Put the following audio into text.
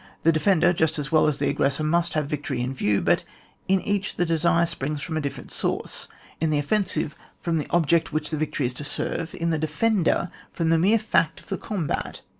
The defender, just as well as the aggpressor, must have victory in view, but in each the desire springy from a different source ; in the offensive from the object which the victory is to serve ; in the de fender, from the mere fact of the combat.